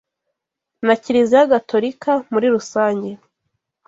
na Kiliziya Gatolika muri rusange”